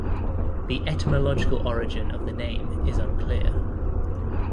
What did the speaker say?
The etymological origin of the name is unclear.